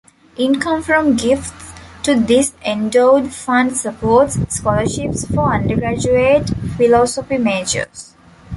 Income from gifts to this endowed fund supports scholarships for undergraduate philosophy majors.